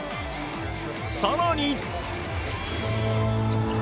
更に。